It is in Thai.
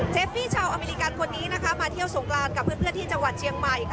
ฟี่ชาวอเมริกันคนนี้นะคะมาเที่ยวสงกรานกับเพื่อนที่จังหวัดเชียงใหม่ค่ะ